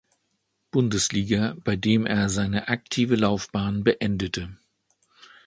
Bundesliga, bei dem er seine aktive Laufbahn beendete.